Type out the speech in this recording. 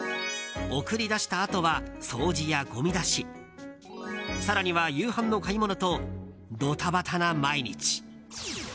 送り出したあとは掃除やごみ出し更には夕飯の買い物とドタバタな毎日。